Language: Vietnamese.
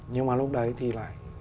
nhưng mà lúc đấy thì lại